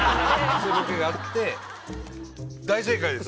大正解です。